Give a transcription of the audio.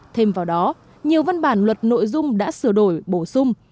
thêm vào đó nhiều văn bản luật nội dung đã sửa đổi bổ sung